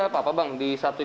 tolong lebih esperti